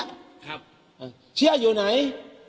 เสี้ยอยู่ไหน